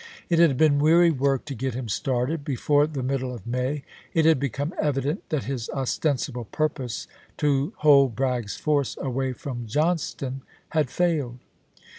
It had been weary work to get him started. Before the middle of May it had become evident that his ostensible purpose, to hold Bragg's force away from Johnston, had failed.